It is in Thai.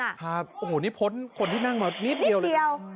โอ้โฮนี่พ้นคนที่นั่งมานิดเดียว